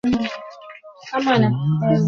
আমি হতবাক হয়ে গেলাম।